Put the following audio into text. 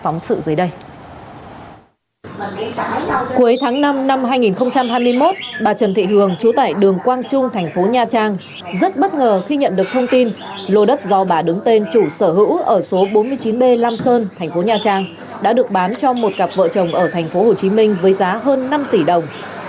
năm hai nghìn hai mươi một bà trần thị hường trú tại đường quang trung thành phố nha trang rất bất ngờ khi nhận được thông tin lô đất do bà đứng tên chủ sở hữu ở số bốn mươi chín b lam sơn thành phố nha trang đã được bán cho một cặp vợ chồng ở thành phố hồ chí minh với giá hơn năm tỷ đồng